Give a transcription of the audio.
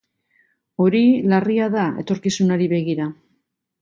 Hori larria da etorkizunari begira.